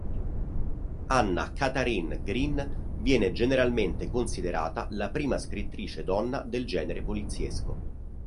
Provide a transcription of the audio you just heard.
Anna Katharine Green viene generalmente considerata la prima scrittrice donna del genere poliziesco.